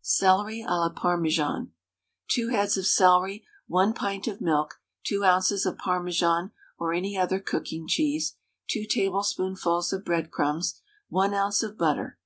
CELERY À LA PARMESAN. 2 heads of celery, 1 pint of milk, 2 oz. of Parmesan, or any other cooking cheese, 2 tablespoonfuls of breadcrumbs, 1 oz. of butter.